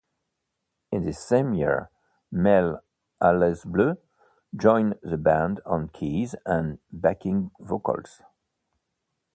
In this same year, Mel Allezbleu joined the band on keys and backing vocals.